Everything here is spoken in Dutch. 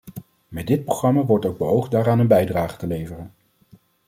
Met dit programma wordt ook beoogd daaraan een bijdrage leveren.